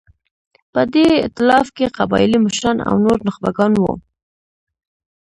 په دې اېتلاف کې قبایلي مشران او نور نخبګان وو.